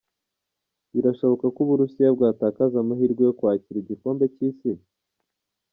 Birashoboka ko u Burusiya bwatakaza amahirwe yo kwakira igikombe cy’Isi?.